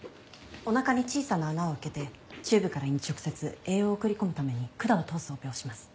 おなかに小さな穴を開けてチューブから胃に直接栄養を送り込むために管を通すオペをします。